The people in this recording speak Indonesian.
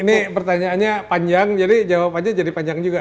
ini pertanyaannya panjang jadi jawabannya jadi panjang juga